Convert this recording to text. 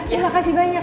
terima kasih banyak